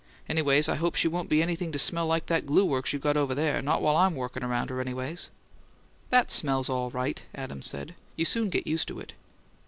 Anyways, I hope she won't be anything to smell like that glue works you got over there not while I'm workin' around her, anyways!" "That smell's all right," Adams said. "You soon get used to it."